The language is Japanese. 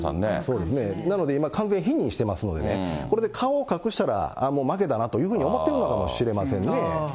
そうですね、今、完全に否認してますのでね、これで顔を隠したら負けだなと思ってるのかもしれませんね。